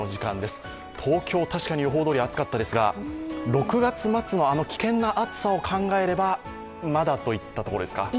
東京、確かに予報どおり暑かったですが６月末のあの危険な暑さを考えればまだといったところですか？